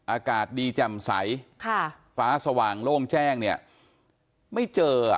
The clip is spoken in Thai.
อากาศดีแจ่มใสฟ้าสว่างโล่งแจ้งเนี่ยไม่เจอ